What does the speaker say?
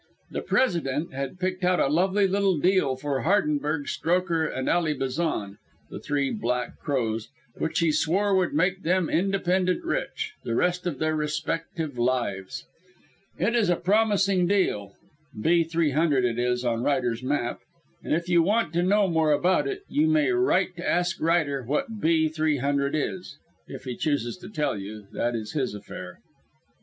The "President" had picked out a lovely little deal for Hardenberg, Strokher and Ally Bazan (the Three Black Crows), which he swore would make them "independent rich" the rest of their respective lives. It is a promising deal (B. 300 it is on Ryder's map), and if you want to know more about it you may write to ask Ryder what B. 300 is. If he chooses to tell you, that is his affair.